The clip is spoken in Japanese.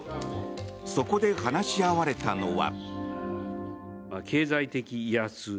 そこで話し合われたのは。